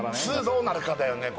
「２」どうなるかだよね